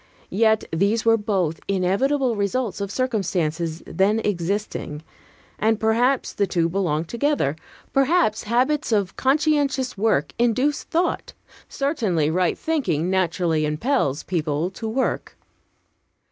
Yet these were both inevitable results of circumstances then existing; and perhaps the two belong together. Perhaps habits of conscientious work induce thought. Certainly, right thinking naturally impels people to work.